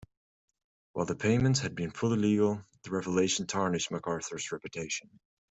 While the payments had been fully legal, the revelation tarnished MacArthur's reputation.